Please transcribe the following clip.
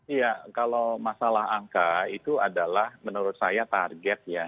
iya kalau masalah angka itu adalah menurut saya target ya